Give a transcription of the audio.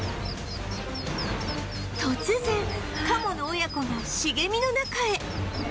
突然カモの親子が茂みの中へ